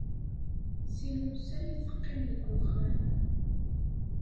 Sin wussan i teqqim deg uxxam.